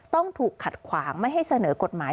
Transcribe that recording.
ต้องถูกขัดขวางไม่ให้เสนอกฎหมาย